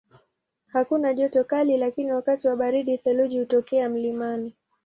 Hakuna joto kali lakini wakati wa baridi theluji hutokea mlimani.